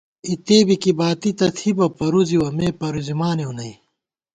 اِتے بی کی باتی تہ تھِبہ پرُوزِوَہ ، مے پروزِمانېؤ نئ